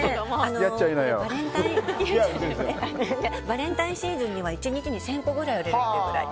バレンタインシーズンには１日に１０００個ぐらい売れるというくらい。